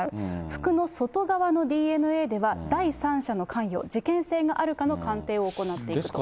服の外側のＤＮＡでは、第三者の関与、事件性があるかの鑑定を行っていくと。